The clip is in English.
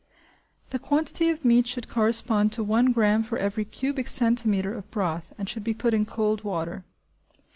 The quantity of meat should correspond to 1 gramme for every cubic centimetre of broth and should be put in cold water.